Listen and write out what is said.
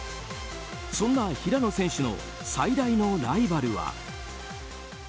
そんな平野選手の最大のライバルは。